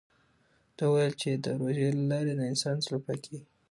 ده وویل چې د روژې له لارې د انسان زړه پاکېږي.